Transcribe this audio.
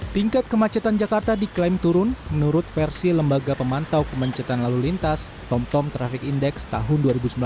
tingkat kemacetan jakarta diklaim turun menurut versi lembaga pemantau kemencetan lalu lintas tomtom traffic index tahun dua ribu sembilan belas